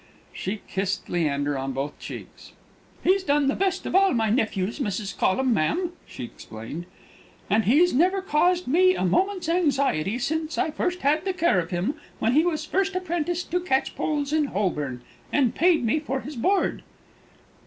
She kissed Leander on both cheeks. "He's done the best of all my nephews, Mrs. Collum, ma'am," she explained, "and he's never caused me a moment's anxiety since I first had the care of him, when he was first apprenticed to Catchpole's in Holborn, and paid me for his board."